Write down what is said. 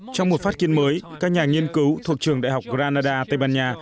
trong một phát kiến mới các nhà nghiên cứu thuộc trường đại học grana tây ban nha